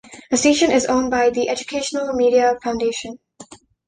The station is owned by the Educational Media Foundation.